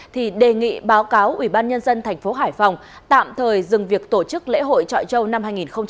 thì đề nghị báo cáo ubnd tp hải phòng tạm thời dừng việc tổ chức lễ hội trọi châu năm hai nghìn một mươi bảy